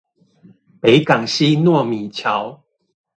北港溪糯米橋